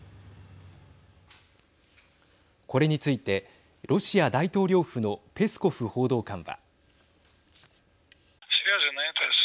これについてロシア大統領府のペスコフ報道官は。